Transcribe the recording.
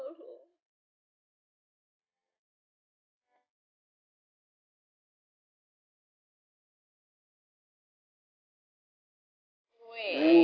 terima kasih repot